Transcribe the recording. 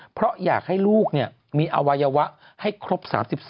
เพราะอยากให้ลูกมีอวัยวะให้ครบ๓๒